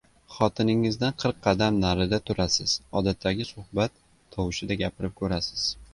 – Xotiningizdan qirq qadam narida turasiz, odatdagi suhbat tovushida gapirib koʻrasiz.